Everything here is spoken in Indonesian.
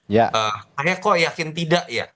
akhirnya kok yakin tidak ya